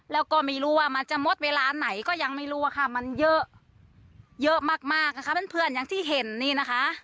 แล้วก็ไม่รู้ว่ามันจะหมดเวลาไหนก็ยังไม่รู้อะค่ะมันเยอะเยอะมากมากนะคะเป็นเพื่อนอย่างที่เห็นนี่นะคะ